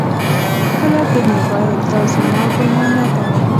کله به مې ویل دا زما ګناه نه ده.